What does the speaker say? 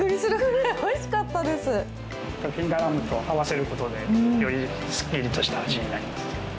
フィンガーライムと合わせることでよりすっきりとした味になります。